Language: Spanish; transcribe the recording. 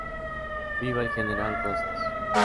Viva el general Rosas"".